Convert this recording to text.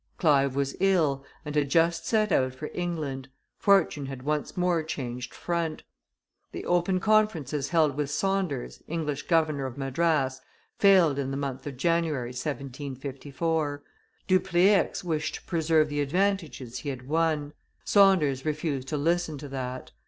Clive was ill, and had just set out for England: fortune had once more changed front. The open conferences held with Saunders, English Governor of Madras, failed in the month of January, 1754; Dupleix wished to preserve the advantages he had won; Saunders refused to listen to that.